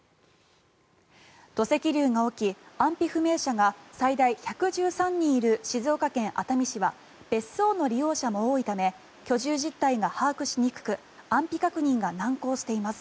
土石流が起き、安否不明者が最大１１３人いる静岡県熱海市は別荘の利用者も多いため居住実態が把握しにくく安否確認が難航しています。